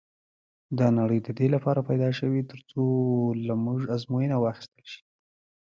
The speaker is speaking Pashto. دا نړۍ د دې لپاره پيدا شوې تر څو له موږ ازموینه واخیستل شي.